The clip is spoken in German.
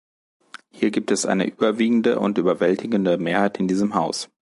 Hier gibt es eine überwiegende und überwältigende Mehrheit in diesem Haus.